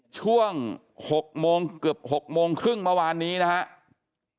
ช่วง๖โมงเกือบ๖โมงครึ่งเมื่อวานนี้นะครับ